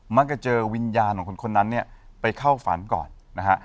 มักจะเจอวิญญาณของคนนั้นเนี่ยไปเข้าฝันก่อนนะฮะ